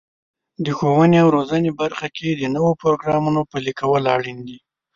د ښوونې او روزنې برخه کې د نوو پروګرامونو پلي کول اړین دي.